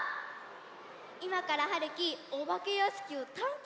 いまからはるきおばけやしきをたんけんしようとおもって！